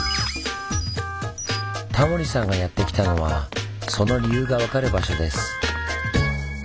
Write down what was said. タモリさんがやって来たのはその理由が分かる場所です。